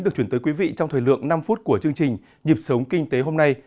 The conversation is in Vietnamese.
được chuyển tới quý vị trong thời lượng năm phút của chương trình nhịp sống kinh tế hôm nay